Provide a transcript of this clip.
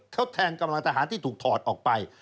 เขาแทนกำลังทหารที่ถูกถอดออกไป